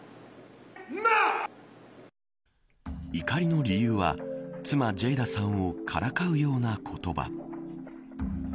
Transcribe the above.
怒りの理由は妻ジェイダさんをからかうような言葉。